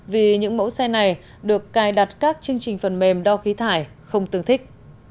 vì những mẫu xe này được cài đặt các chương trình phần mềm đo khí thải không tương thích